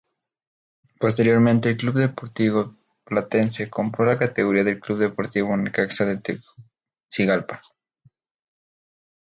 Posteriormente el Club Deportivo Platense compró la categoría del Club Deportivo Necaxa de Tegucigalpa.